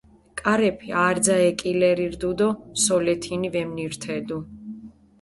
კარეფი არძა ეკილერი რდუ დო სოლეთინი ვემნირთედუ.